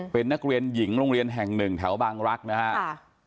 เป็นนักเรียนหญิงโรงเรียนแห่งหนึ่งแถวบางรักนะครับ